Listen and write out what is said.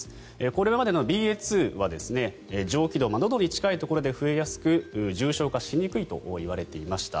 これまでのＢＡ．２は上気道のどに近いところで増えやすく重症化しにくいといわれていました。